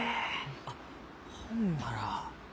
あっほんなら。